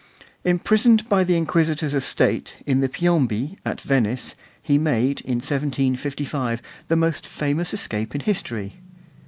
Imprisoned by the Inquisitors of State in the Piombi at Venice, he made, in 1755, the most famous escape in history.